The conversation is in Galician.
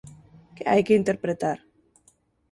Que hai que interpretar?